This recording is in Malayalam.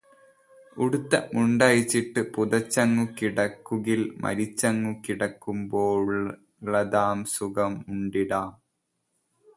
ഉടുത്ത മുണ്ടഴിച്ചിട്ടു പുതച്ചങ്ങു കിടക്കുകിൽ മരിച്ചങ്ങു കിടക്കുമ്പോഴുള്ളതാം സുഖമുണ്ടിടാം.